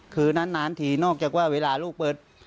คือนานทีนอกจากว่าเวลาลูกเปิด